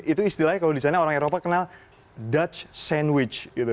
itu istilahnya kalau di sana orang eropa kenal dutch sandwich gitu